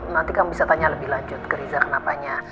nanti kamu bisa tanya lebih lanjut ke riza kenapanya